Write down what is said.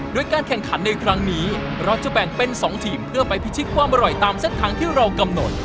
โดยการแข่งขันในครั้งนี้เราจะแบ่งเป็น๒ทีมเพื่อไปพิชิตความอร่อยตามเส้นทางที่เรากำหนด